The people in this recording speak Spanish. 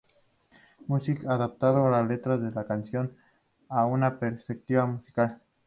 Music, adaptando las letras de la canción a una perspectiva masculina.